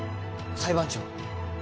裁判長。